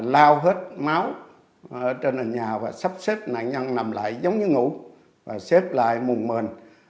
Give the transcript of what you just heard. lao hết máu trên nhà và sắp xếp nạn nhân nằm lại giống như ngủ và xếp lại mùn mền